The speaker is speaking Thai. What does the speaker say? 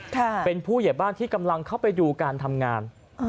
ค่ะเป็นผู้ใหญ่บ้านที่กำลังเข้าไปดูการทำงานอ่า